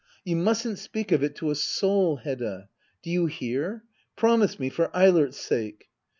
You mustn't speak of it to a soul, Hedda ! Do you hear I Promise me, for Eilert's sake.